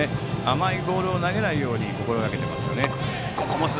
甘いボールを投げないよう心がけていますね。